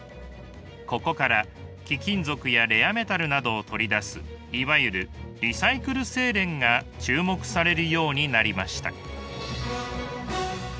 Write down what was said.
ここから貴金属やレアメタルなどを取り出すいわゆるリサイクル製錬が注目されるようになりました。